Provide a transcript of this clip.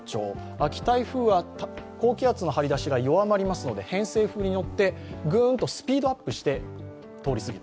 秋台風は高気圧の張り出しが弱まりますので偏西風に乗ってスピードアップする。